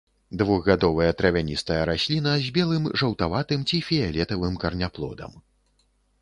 Двухгадовая травяністая расліна з белым, жаўтаватым ці фіялетавым караняплодам.